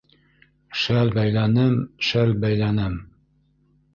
Шәл бәйләнем, шәл бәйләнем